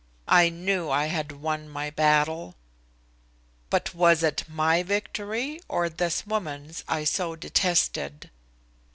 I knew I had won my battle. But was it my victory or this woman's I so detested?